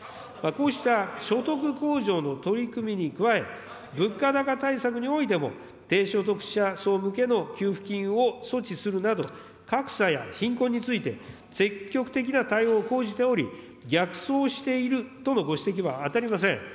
こうした所得控除の取組に加え、物価高対策においても、低所得者層向けの給付金を措置するなど、格差や貧困について、積極的な対応を講じており、逆走しているとのご指摘は当たりません。